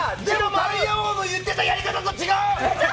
タイヤ王の言ってたやり方と違う！